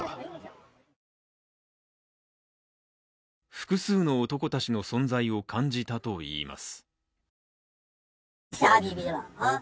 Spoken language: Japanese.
複数の男たちの存在を感じたといいます。